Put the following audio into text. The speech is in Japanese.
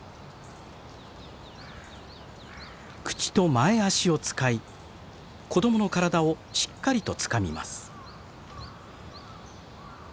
口と前足を使い子供の体をしっかりとつかみます。